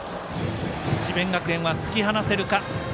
智弁学園は突き放せるか。